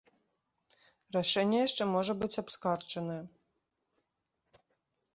Рашэнне яшчэ можа быць абскарджанае.